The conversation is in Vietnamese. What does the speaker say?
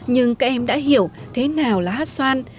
nhưng các em đã hiểu thế nào là hát xoan